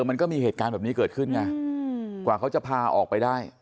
มันก็มีเหตุการณ์แบบนี้เกิดขึ้นไงกว่าเขาจะพาออกไปได้